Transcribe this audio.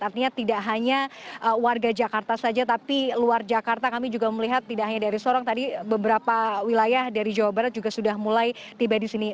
artinya tidak hanya warga jakarta saja tapi luar jakarta kami juga melihat tidak hanya dari sorong tadi beberapa wilayah dari jawa barat juga sudah mulai tiba di sini